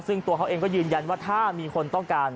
ซึ่งตัวเขาเองก็ยืนยันว่าถ้ามีคนต้องการ